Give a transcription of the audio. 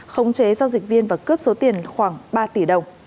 khống chế giao dịch viên và cướp số tiền khoảng ba tỷ đồng